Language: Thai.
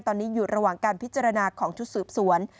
ตอนนี้อยู่ระหว่างการพิจารณาของชุดสืบสวน